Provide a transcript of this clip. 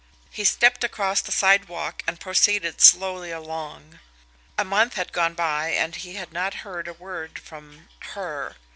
He stepped across to the sidewalk and proceeded slowly along. A month had gone by and he had not heard a word from HER.